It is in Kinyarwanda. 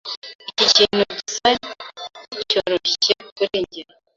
Iki kintu gisa nkicyoroshye kuri njye.